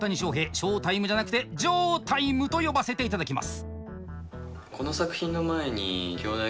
ショータイムじゃなくてジョータイムと呼ばせて頂きます。